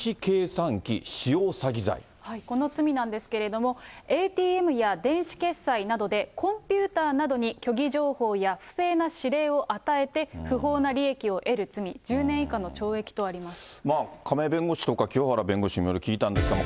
この罪なんですけれども、ＡＴＭや電子決済などで、コンピューターなどに虚偽情報や不正な指令を与えて不法な利益を得る罪、１０年以下の懲役とあります。